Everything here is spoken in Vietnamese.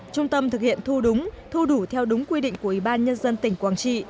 trung tâm thực hiện thu đúng thu đủ theo đúng quy định của ủy ban nhân dân tỉnh quảng trị